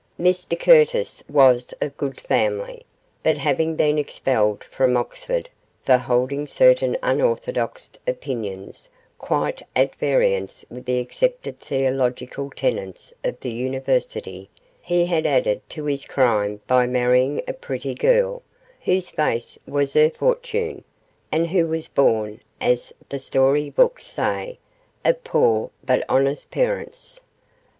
Mr Curtis was of good family, but having been expelled from Oxford for holding certain unorthodox opinions quite at variance with the accepted theological tenets of the University, he had added to his crime by marrying a pretty girl, whose face was her fortune, and who was born, as the story books say, of poor but honest parents.